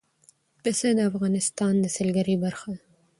پسه د افغانستان د سیلګرۍ برخه ده.